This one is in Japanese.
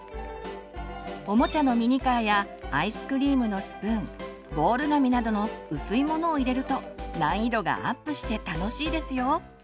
おもちゃのミニカーやアイスクリームのスプーンボール紙などの薄いものを入れると難易度がアップして楽しいですよ。